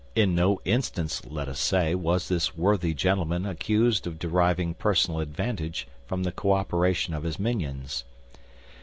In no instance, let us say, was this worthy gentleman accused of deriving personal advantage from the cooperation of his minions.